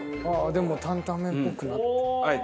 でも担々麺っぽくなって。